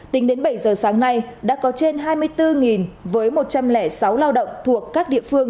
tính đến bảy giờ sáng nay đã có trên hai mươi bốn với một trăm linh sáu lao động thuộc các địa phương